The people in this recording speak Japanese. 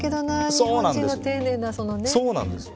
そうなんですよね。